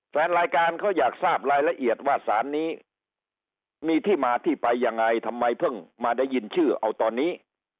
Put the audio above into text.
แฟนรายการเขาอยากทราบรายละเอียดว่าสารนี้มีที่มาที่ไปยังไงทำไมเพิ่งมาได้ยินชื่อเอาตอนนี้